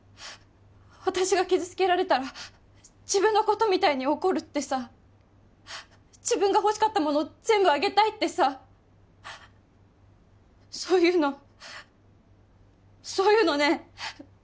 私が傷つけられたら自分のことみたいに怒るってさ自分が欲しかったもの全部あげたいってさそういうのそういうのね